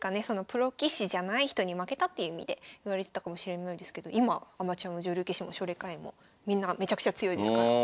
プロ棋士じゃない人に負けたっていう意味で言われてたかもしれないですけど今アマチュアも女流棋士も奨励会員もみんなめちゃくちゃ強いですから。